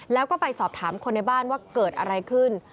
แล้วก็ไปสอบถามคนในบ้านว่าเกิดอะไรขึ้น